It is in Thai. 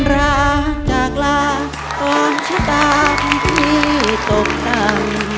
คนราจากลาร้องชะตากที่ตกต่ำ